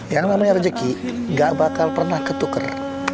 yang namanya rezeki gak bakal pernah ketuker